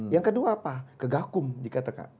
yang kedua apa ke gakum jika masuk dalam ranah pindah